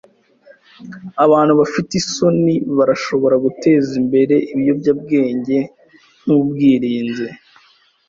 Abantu bafite isoni barashobora guteza imbere ibiyobyabwenge nkubwirinzi.